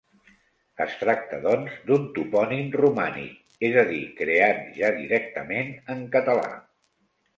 Es tracta, doncs, d'un topònim romànic, és a dir, creat ja directament en català.